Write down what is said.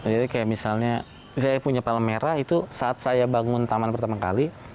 jadi misalnya saya punya palemera itu saat saya bangun taman pertama kali